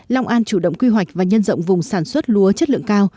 long an chủ động quy hoạch và nhân rộng vùng sản xuất lúa chất lượng cao